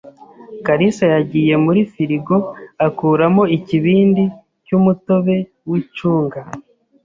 kalisa yagiye muri firigo akuramo ikibindi cy'umutobe w'icunga